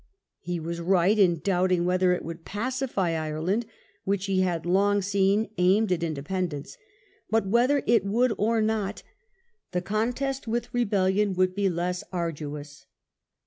He was right in doubting whether it would pacify Ireland, which he had long seen aimed at independence; but whether it would or not, the contest with rebellion would be less arduous.